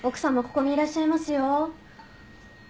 ここにいらっしゃいますよ。